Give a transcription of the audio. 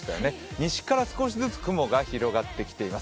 西から少しずつ雲が広がってきています。